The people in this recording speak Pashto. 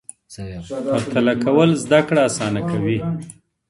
پرتله کول زده کړه اسانه کوي.